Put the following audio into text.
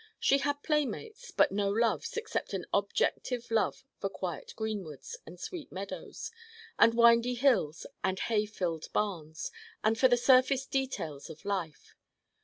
She had playmates but no loves except an objective love for quiet greenwoods and sweet meadows and windy hills and hay filled barns, and for the surface details of life.